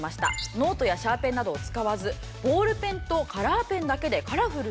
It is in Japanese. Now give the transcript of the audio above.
「ノートやシャーペンなどを使わずボールペンとカラーペンだけでカラフルにしていました」。